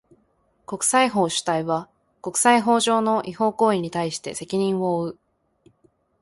国際法主体は、国際法上の違法行為に対して責任を負う。